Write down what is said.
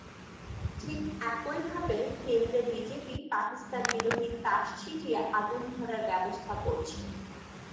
ঠিক একইভাবে কেন্দ্রে বিজেপি পাকিস্তানবিরোধী তাস ছিটিয়ে আগুন ধরার ব্যবস্থা করছে।